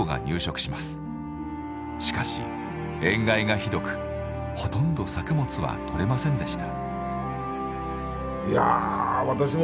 しかし塩害がひどくほとんど作物は取れませんでした。